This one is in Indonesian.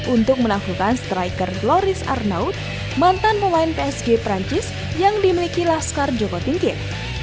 untuk menaklukkan striker loris arnaud mantan pemain psg perancis yang dimiliki laskar joko tingkir